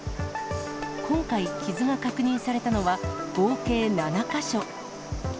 今回、傷が確認されたのは合計７か所。